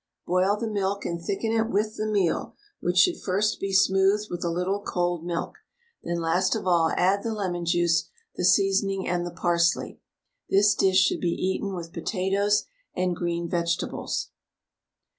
Boil the milk and thicken it with the meal, which should first be smoothed with a little cold milk, then last of all add the lemon juice, the seasoning, and the parsley. This dish should be eaten with potatoes and green vegetables.